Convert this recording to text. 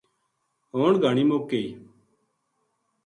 ہن گھانی مُک گئی